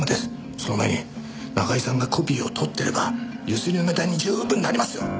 その前に中居さんがコピーを取ってれば強請りのネタに十分なりますよ！